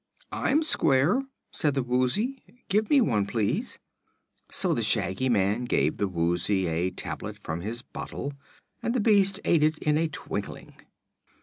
"I'm square," said the Woozy. "Give me one, please." So the Shaggy Man gave the Woozy a tablet from his bottle and the beast ate it in a twinkling.